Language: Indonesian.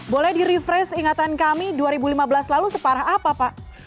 boleh di refresh ingatan kami dua ribu lima belas lalu separah apa pak